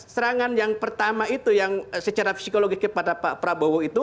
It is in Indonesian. serangan yang pertama itu yang secara psikologis kepada pak prabowo itu